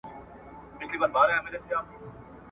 کتاب د انسان ذهن ته پراختيا ورکوي او نوې مفکورې رامنځته کوي ,